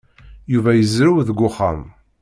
Yuba yezrew deg uxxam.